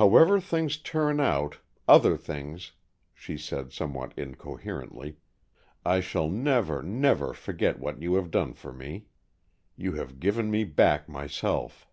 "However things turn out, other things," she said, somewhat incoherently, "I shall never, never forget what you have done for me. You have given me back myself."